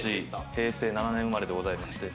平成７年生まれでございまして。